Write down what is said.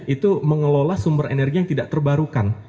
itu mengelola sumber energi yang tidak terbarukan